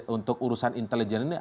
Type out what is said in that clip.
untuk urusan intelektual